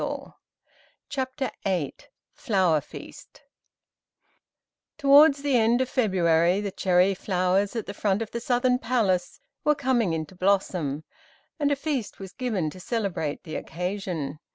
] CHAPTER VIII FLOWER FEAST Towards the end of February the cherry flowers at the front of the Southern Palace were coming into blossom, and a feast was given to celebrate the occasion.